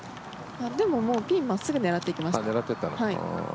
でも、もうピン真っすぐを狙っていっていました。